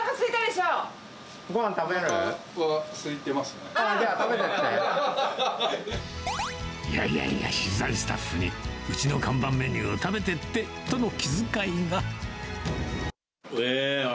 じゃあ、いやいやいや、取材スタッフにうちの看板メニューを食べてってとの気遣いが。